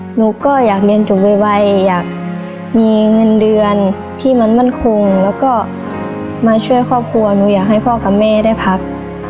หนูก็อยากเรียนจบไวอยากมีเงินเดือนที่มันมั่นคงแล้วก็มาช่วยครอบครัวหนูอยากให้พ่อกับแม่ได้พัก